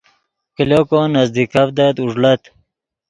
کلو کو نزیکڤدت اوݱڑت